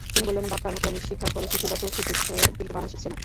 তিনি বললেন, বাক্যানুক্রমিক শিক্ষার ফলে শিশুরা বাক্য শিখছে, কিন্তু বানান শিখছে না।